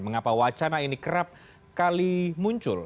mengapa wacana ini kerap kali muncul